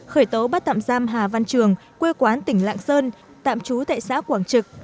khởi tố bắt tạm giam hà văn trường quê quán tỉnh lạng sơn tạm trú tại xã quảng trực